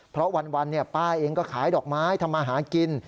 เพราะวันป้าเองก็ขายดอกไม้ทำมาหากิน